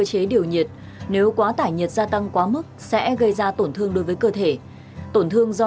chế điều nhiệt nếu quá tải nhiệt gia tăng quá mức sẽ gây ra tổn thương đối với cơ thể tổn thương do